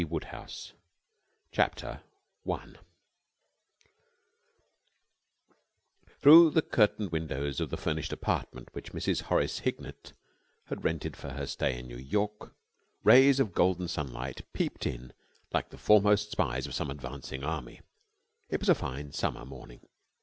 G. WODEHOUSE 1921 CHAPTER ONE Through the curtained windows of the furnished apartment which Mrs. Horace Hignett had rented for her stay in New York rays of golden sunlight peeped in like the foremost spies of some advancing army. It was a fine summer morning.